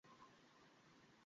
এটা একটা military technique.